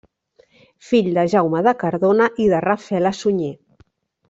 Fill de Jaume de Cardona i de Rafela Sunyer.